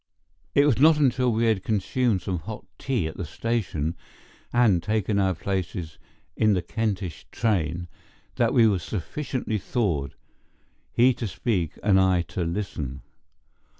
It was not until we had consumed some hot tea at the station and taken our places in the Kentish train that we were sufficiently thawed, he to speak and I to listen.